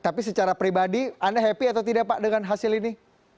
tapi secara pribadi anda happy atau tidak pak dengan hasil ini